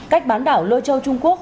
cách bán đảo lôi châu trung quốc